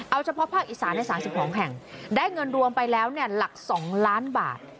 เอาเฉพาะภาคอีสานใน๓๒แห่งได้เงินรวมไปแล้วหลัก๒ล้านบาท